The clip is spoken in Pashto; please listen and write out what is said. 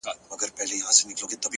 نور مي له سترگو څه خوبونه مړه سول _